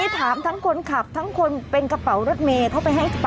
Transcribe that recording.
พ่อมองเห็นว่ามันอยู่ไหนอ่ะ